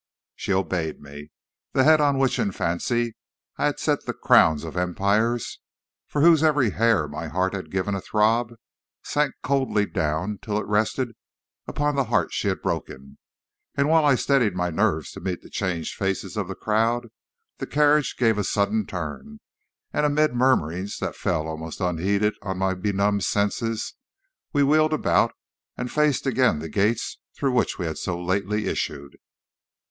"She obeyed me. That head on which in fancy I had set the crowns of empires, for whose every hair my heart had given a throb, sank coldly down till it rested upon the heart she had broken; and while I steadied my nerves to meet the changed faces of the crowd, the carriage gave a sudden turn, and amid murmurings that fell almost unheeded on my benumbed senses, we wheeled about and faced again the gates through which we had so lately issued.